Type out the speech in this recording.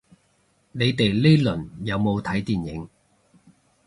你哋呢輪有冇睇電影